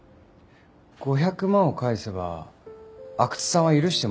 ５００万を返せば阿久津さんは許してもらえると？